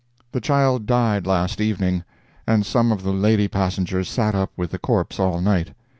—The child died last evening, and some of the lady passengers sat up with the corpse all night.